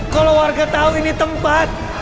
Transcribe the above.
kalo warga tau ini tempat